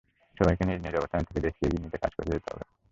সবাইকে নিজ নিজ অবস্থান থেকে দেশকে এগিয়ে নিতে কাজ করতে হবে।